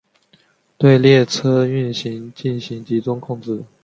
对列车运行进行集中控制。